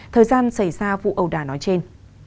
thời gian xảy ra vụ ẩu đả nói trên